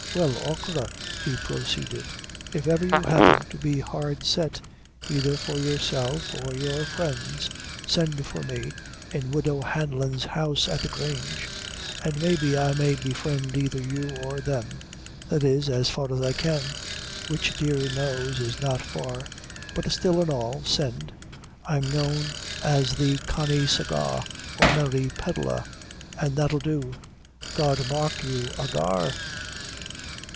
"Well, achora," he proceeded, "if ever you happen to be hard set, either for yourself or your friends, send for me, in Widow Hanlon's house at the Grange, an' maybe I may befriend either you or them; that is, as far as I can which, dear knows, is not far; but, still an' all, send. I'm known as the Cannie Sugah, or Merry Pedlar, an' that'll do. God mark you, _ahagur!